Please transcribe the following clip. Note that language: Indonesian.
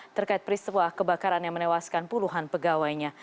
terkait peristiwa kebakaran yang menewaskan puluhan pegawainya